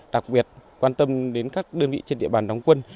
đặc biệt quan tâm đến các đơn vị trên địa bàn đóng quân